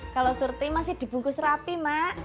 kalau surti masih dibungkus rapi mak